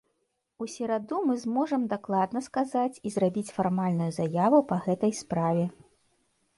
У сераду мы зможам дакладна сказаць і зрабіць фармальную заяву па гэтай справе.